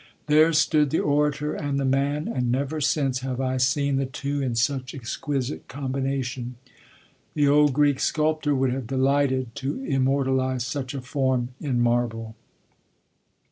There stood the orator and the man, and never since have I seen the two in such exquisite combination. The old Greek sculptor would have delighted to immortalize such a form in marble.